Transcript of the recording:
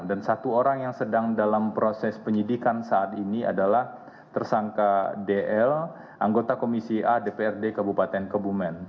dan satu orang yang sedang dalam proses penyidikan saat ini adalah tersangka dl anggota komisi a dprd kebupaten kebumen